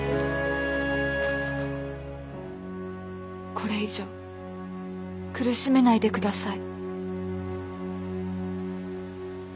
これ以上苦しめないでください。